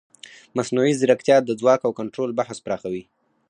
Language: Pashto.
مصنوعي ځیرکتیا د ځواک او کنټرول بحث پراخوي.